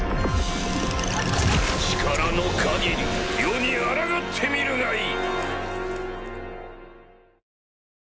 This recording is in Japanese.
力の限り余にあらがってみるがいい！